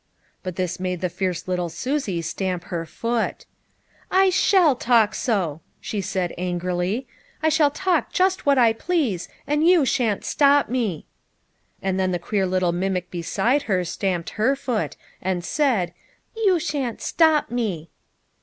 But this made the fierce little Susie stamp her foot. " I shall talk so !" she said angrily ;" I shall talk just what I please, and you sha'n't stop me." And then the queer little mimic beside her stamped her foot, and said, " You sha'n't stop me."